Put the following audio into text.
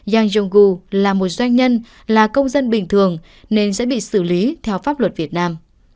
yang jong u là một doanh nhân là công dân bình thường nên sẽ bị xử lý theo pháp luật việt nam